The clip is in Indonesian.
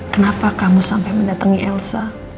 kenapa kamu sampai mendatangi elsa